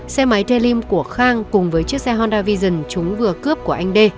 xe máy t lim của khang cùng với chiếc xe honda vision chúng vừa cướp của anh d